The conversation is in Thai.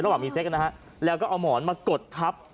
ระหว่างมีเซ็กนะฮะแล้วก็เอาหมอนมากดทับ